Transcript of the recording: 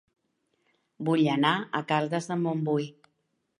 Vull anar a Caldes de Montbui